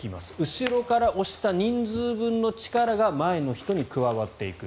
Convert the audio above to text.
後ろから押した人数分の力が前の人に加わっていく。